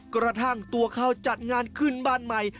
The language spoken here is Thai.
กระทั่งตัวเขาจัดงานขึ้นบ้านใหม่